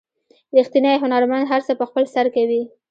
ریښتینی هنرمند هر څه په خپل سر کوي.